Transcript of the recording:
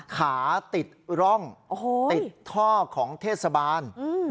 ขาติดร่องติดท่อของเทศบาล